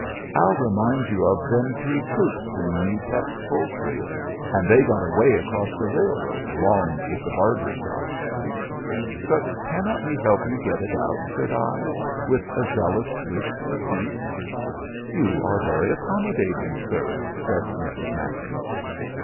"I'll remind you of them three coops when you kept poultry, and they got away across the railroad, along with the barber's shop." "But cannot we help you get it out?" said I, with a zealous wish for peace. "You are very accommodating, sir," said Mrs. Mattern.